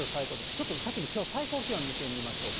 ちょっと先にきょう、最高気温見てみましょうか。